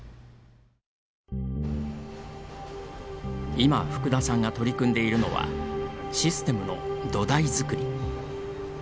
今、福田さんが取り組んでいるのはシステムの土台作り。